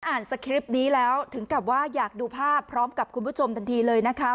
สคริปต์นี้แล้วถึงกับว่าอยากดูภาพพร้อมกับคุณผู้ชมทันทีเลยนะคะ